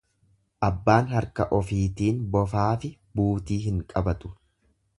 Abbaan harka ofiitiin bofaafi buutii hin qabatu.